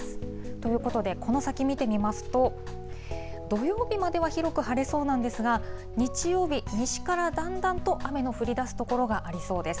ということで、この先見てみますと、土曜日までは広く晴れそうなんですが、日曜日、西からだんだんと雨の降りだす所がありそうです。